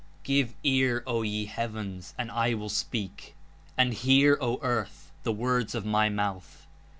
Give ear, O ye Heavens, and I will speak; and hear, O Earth, the Words of My Mouth.